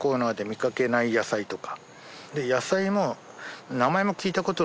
野菜も。